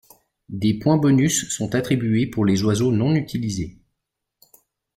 Des points bonus sont attribués pour les oiseaux non utilisés.